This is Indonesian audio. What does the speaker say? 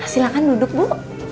silahkan duduk bu